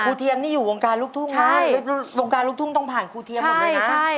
เทียมนี่อยู่วงการลูกทุ่งนะวงการลูกทุ่งต้องผ่านครูเทียมหมดเลยนะ